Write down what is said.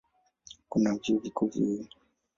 Kuna vyuo vikuu viwili.